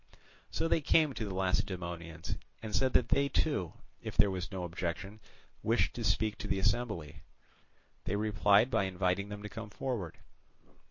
So they came to the Lacedaemonians and said that they too, if there was no objection, wished to speak to their assembly. They replied by inviting them to come forward.